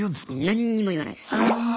何にも言わないっす。